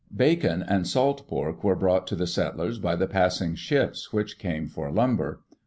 Bacon and salt pork were brought to the settlers by the passing ships, which came for lumber.